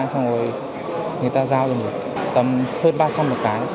xong rồi người ta giao cho mình tầm hơn ba trăm linh một cái